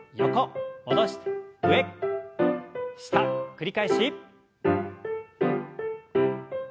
繰り返し。